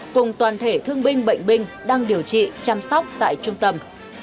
cùng toàn thể thương binh bệnh binh đang điều trị chăm sóc tại trung tâm